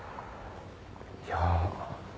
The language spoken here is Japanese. いや。